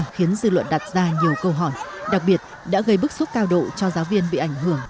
khiến dư luận đặt ra nhiều câu hỏi đặc biệt đã gây bức xúc cao độ cho giáo viên bị ảnh hưởng